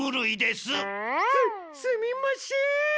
すすみません！